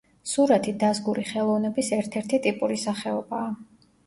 სურათი დაზგური ხელოვნების ერთ-ერთი ტიპური სახეობაა.